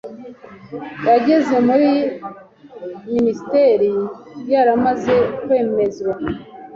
yageze muri iyi Minisiteri yaramaze kwemezwa.